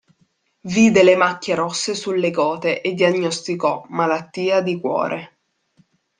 Vide le macchie rosse sulle gote e diagnosticò: malattia di cuore.